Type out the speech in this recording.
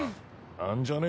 あんじゃね？